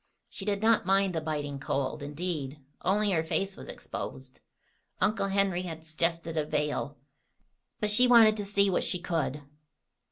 She did not mind the biting cold, indeed, only her face was exposed. Uncle Henry had suggested a veil; but she wanted to see what she could.